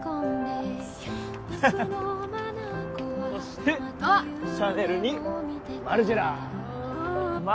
そしてシャネルにマルジェラああ